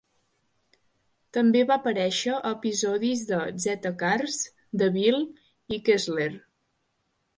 També va aparèixer a episodis de "Z-Cars", "The Bill" i "Kessler".